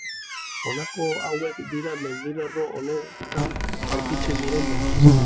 Honako hauek dira mendilerro honetan aurkitzen diren mendiak.